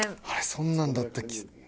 そんなんだった気。